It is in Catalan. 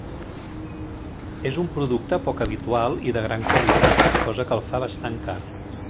És un producte poc habitual i de gran qualitat, cosa que el fa bastant car.